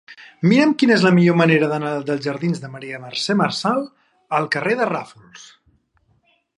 Mira'm quina és la millor manera d'anar dels jardins de Maria Mercè Marçal al carrer de Ràfols.